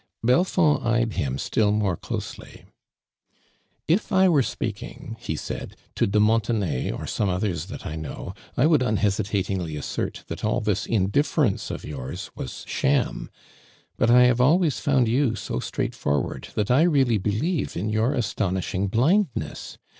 Belfon<l eyed him still more closely. "If I were speaking," he said, "to de Mont onay, or some others that I know, I would unhesitatingly assert tliat all this indif ference of yours was sham, but, I have Always found you so straightfoi ward, that 1 really believe in your astonishing blind ness.